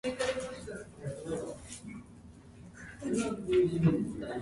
She was able to elude the military's brutality by swift action.